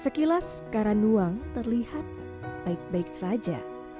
sekilas karanuang terlihat baik baik saja